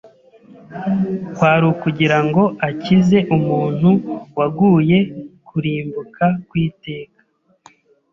kwari ukugira ngo akize umuntu waguye kurimbuka kw’iteka.